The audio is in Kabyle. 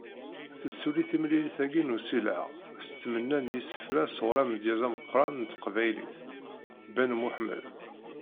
Tessuli temlilit-agi n usileɣ, s tmenna n yisefra sɣur amedyaz ameqqran n teqbaylit, Ben Muḥemmed.